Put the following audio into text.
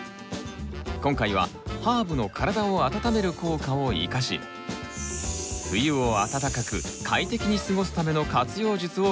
今回はハーブの体を温める効果を生かし冬を暖かく快適に過ごすための活用術をご紹介します。